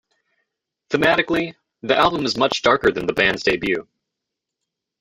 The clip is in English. Thematically, the album is much darker than the band's debut.